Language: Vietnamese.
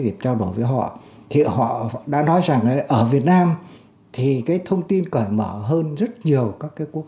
việt trao đổi với họ thì họ đã nói rằng ở việt nam thì cái thông tin cởi mở hơn rất nhiều các cái quốc